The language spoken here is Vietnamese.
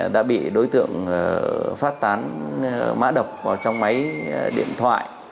đã bị đối tượng phát tán mã độc vào trong máy điện thoại